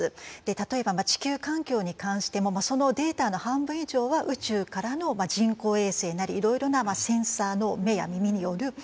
例えば地球環境に関してもそのデータの半分以上は宇宙からの人工衛星なりいろいろなセンサーの目や耳によるデータなんですよね。